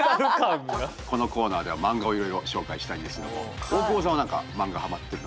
このコーナーではマンガをいろいろ紹介したいんですけども大久保さんは何かそうですね。